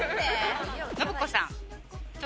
信子さん。